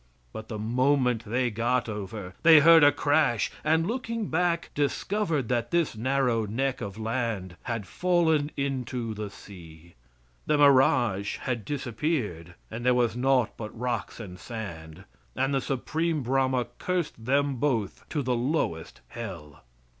But the moment they got over, they heard a crash, and, looking back, discovered that this narrow neck of land had fallen into the sea. The mirage had disappeared, and there was naught but rocks and sand, and the Supreme Brahma cursed them both to the lowest Hell.